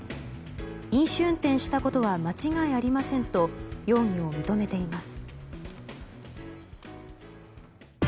飲酒運転したことは間違いありませんと容疑を認めています。